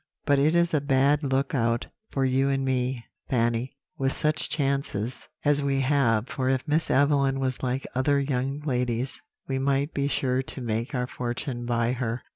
But it is a bad look out for you and me, Fanny, with such chances as we have; for if Miss Evelyn was like other young ladies, we might be sure to make our fortune by her.